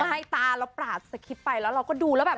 ไฟล์ให้ตาเราปรากฎไปแล้วเราก็ดูแล้วแบบ